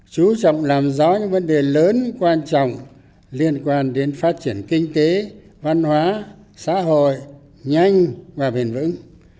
chú trọng làm rõ những vấn đề lớn quan trọng liên quan đến phát triển kinh tế văn hóa xã hội nhanh và bền vững